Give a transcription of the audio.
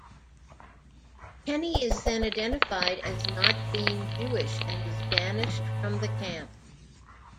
Kenny is then identified as not being Jewish and is banished from the camp.